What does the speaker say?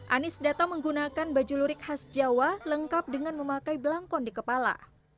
anies datang menggunakan baju lurik khas jawa lengkap dengan memakai belangkon di kepala